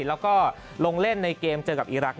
แล้วก็ลงเล่นในเกมเจอกับอีรักษ